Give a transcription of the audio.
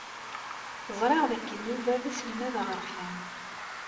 Ẓriɣ dakken Yuba d aselmad aɣerfan.